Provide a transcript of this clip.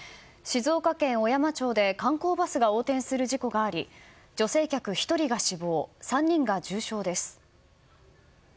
静岡県小山町で観光バスが横転する事故があり女性客１人が死亡３人が重傷です。